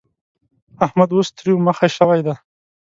احمد اوس تريو مخی شوی دی.